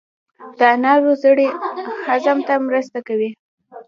د انارو زړې هضم ته مرسته کوي.